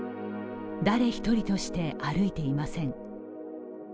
誰一人として歩いていません。